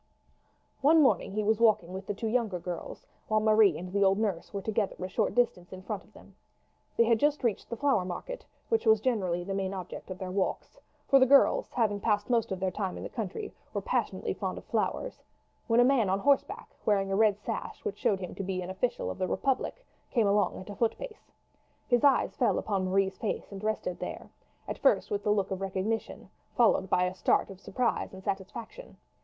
One morning he was walking with the two younger girls, while Marie and the old nurse were together a short distance in front of them. They had just reached the flower market, which was generally the main object of their walks for the girls, having passed most of their time in the country, were passionately fond of flowers when a man on horseback wearing a red sash, which showed him to be an official of the republic, came along at a foot pace. His eyes fell upon Marie's face and rested there, at first with the look of recognition, followed by a start of surprise and satisfaction.